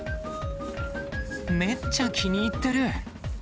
めっちゃ気に入ってる。